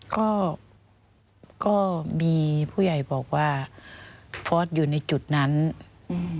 ก็ก็ก็มีผู้ใหญ่บอกว่าฟอร์สอยู่ในจุดนั้นอืม